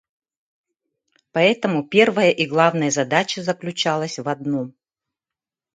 Поэтому первая и главная задача заключалась в одном.